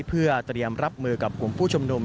เพื่อเตรียมรับมือกับกลุ่มผู้ชุมนุม